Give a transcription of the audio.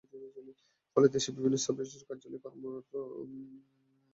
ফলে দেশের বিভিন্ন সাব-রেজিস্ট্রার কার্যালয়ে কর্মরত নকলনবিশেরা মানবেতর জীবন যাপন করছেন।